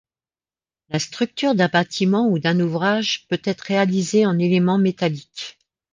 La structure d'un bâtiment ou d'un ouvrage peut être réalisée en éléments métalliques.